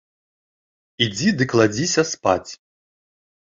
Ідзі ды кладзіся спаць.